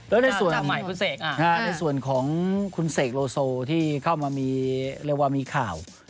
อืมแล้วในส่วนของคุณเสกโลโซที่เข้ามามีเรียกว่ามีข่าว